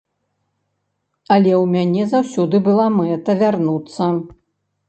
Але ў мяне заўсёды была мэта вярнуцца.